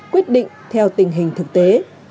quyết định theo tình hình thực tế